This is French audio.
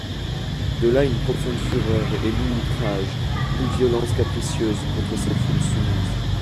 De là une profonde fureur, et mille outrages, mille violences capricieuses, contre ces foules soumises.